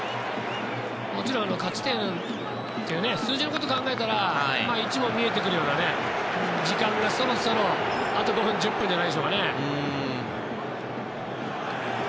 もちろん、勝ち点という数字のことを考えたら１も見えてくるような時間もそろそろあと５分、１０分じゃないでしょうかね。